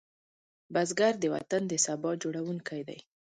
بزګر د وطن د سبا جوړوونکی دی